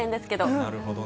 なるほどね。